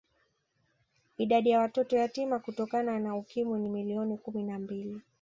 Idadi ya watoto yatima Kutokana na Ukimwi ni milioni kumi na mbili